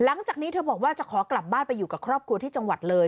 หลังจากนี้เธอบอกว่าจะขอกลับบ้านไปอยู่กับครอบครัวที่จังหวัดเลย